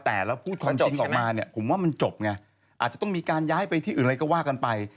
แต่แล้วพูดความจริงออกมาเนี่ยผมว่ามันจบไงอาจจะต้องมีการย้ายไปที่อื่นอะไรก็ว่ากันไป